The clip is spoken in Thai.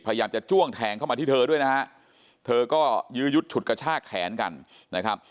พยายามจะจ้วงแทงเข้ามาที่เธอด้วยนะฮะเธอก็ยื้อยุดฉุดกระชากแขนกันนะครับ